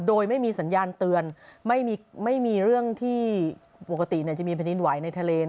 โดยไม่มีสัญญาณเตือนไม่มีเรื่องที่ปกติจะมีแผ่นดินไหวในทะเล